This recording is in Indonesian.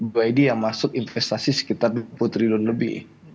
bid yang masuk investasi sekitar dua puluh triliun lebih